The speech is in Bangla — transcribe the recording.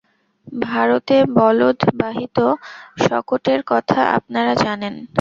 ভারতে বলদ-বাহিত শকটের কথা আপনারা জানেন।